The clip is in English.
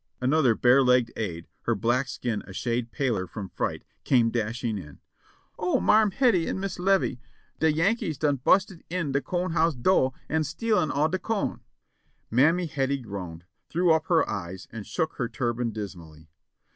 Another bare legged aide, her black skin a shade paler from fright, came dashing in. ''O Marm Hettie an' Miss Livie, de Yankees dun busted in de co'n house do' an' stealin' all de co'n!" Mammy Hettie groaned, threw up her eyes and shook her tur ban dismally.